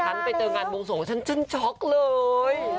ฉันไปเจอกันบวงสงฆ์ฉันช็อนช็อกเลย